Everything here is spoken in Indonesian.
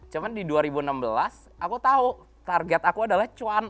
cuma di dua ribu enam belas aku tahu target aku adalah cuan